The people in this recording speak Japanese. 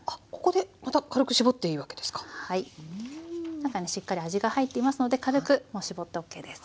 中にしっかり味が入っていますので軽く絞ってＯＫです。